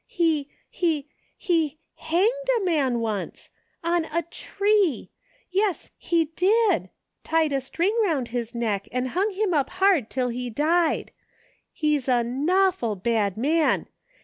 " He he he hanged a man once ! On a tree! Yes, he did! Tied a string aroimd his neck and hung him up hard till he died ! He's a nawful bad man.